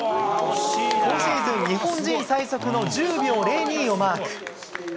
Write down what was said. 今シーズン、日本人最速の１０秒０２をマーク。